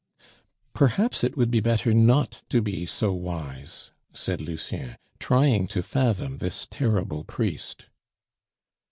"Perhaps it would be better not to be so wise," said Lucien, trying to fathom this terrible priest.